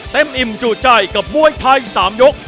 เต็มอิ่มจู่ใจกับมวยไทยสามยก